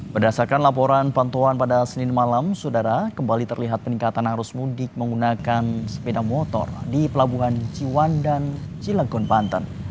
berdasarkan laporan pantauan pada senin malam saudara kembali terlihat peningkatan arus mudik menggunakan sepeda motor di pelabuhan ciwan dan cilegon banten